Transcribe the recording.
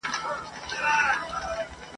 هغه بله یې مرګی له خدایه غواړي ..